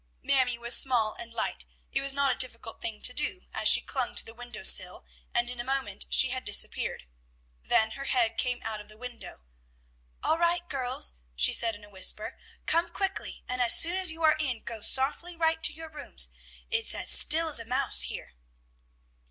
Mamie was small and light; it was not a difficult thing to do, as she clung to the window sill, and in a moment she had disappeared. Then her head came out of the window. "All right, girls," she said in a whisper. "Come quickly, and as soon as you are in go softly right to your rooms. It's still as a mouse here."